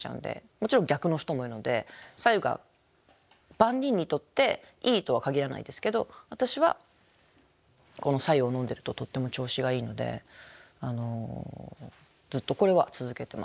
もちろん逆の人もいるので白湯が万人にとっていいとは限らないですけど私はこの白湯を飲んでるととっても調子がいいのでずっとこれは続けてます。